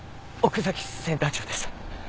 奥崎センター長です